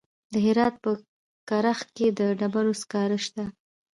د هرات په کرخ کې د ډبرو سکاره شته.